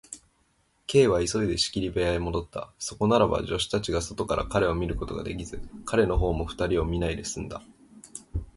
Ｋ は急いで仕切り部屋へもどった。そこならば、助手たちが外から彼を見ることができず、彼のほうも二人を見ないですんだ。